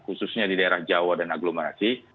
khususnya di daerah jawa dan agglomerasi